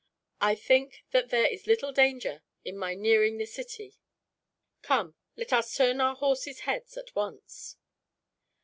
I think that there is little danger in my nearing the city. "Come, let us turn our horses' heads, at once."